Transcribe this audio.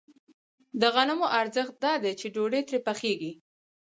د غنمو ارزښت دا دی چې ډوډۍ ترې پخېږي